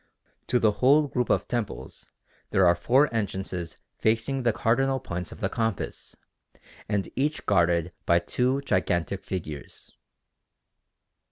To the whole group of temples there are four entrances facing the cardinal points of the compass, and each guarded by two gigantic figures."